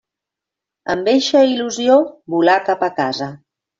Amb eixa il·lusió volà cap a casa.